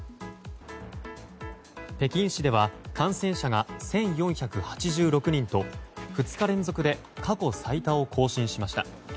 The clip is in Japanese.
北京市では感染者が１４８６人と２日連続で過去最多を更新しました。